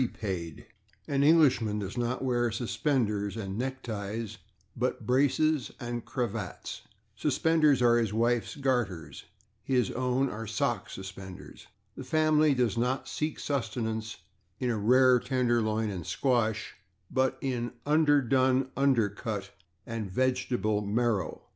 [Pg104] An Englishman does not wear /suspenders/ and /neckties/, but /braces/ and /cravats/. /Suspenders/ are his wife's garters; his own are /sock suspenders/. The family does not seek sustenance in a /rare tenderloin/ and /squash/, but in /underdone under cut/ and /vegetable marrow